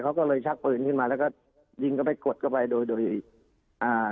เขาก็เลยชักปืนขึ้นมาแล้วก็ยิงเข้าไปกดเข้าไปโดยโดยอ่า